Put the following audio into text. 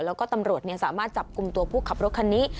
แล้วก็ตำรวจสามารถจับกลุ่มตัวผู้ขับรถคันนี้